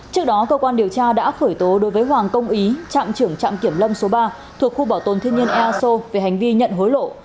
trước đó cơ quan điều tra đã khởi tố đối với hoàng công ý trạm trưởng trạm kiểm lâm số ba thuộc khu bảo tồn thiên nhân e a s o về hành vi nhận hối lộ